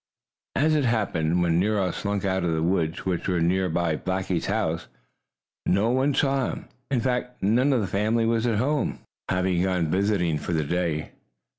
As it happened, when Nero slunk out of the woods, which were near Blackie's house, no one saw him. In fact none of the family was at home, having gone visiting for the day.